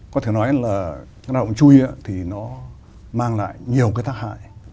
có thể nói là cái lao động chui thì nó mang lại nhiều cái tác hại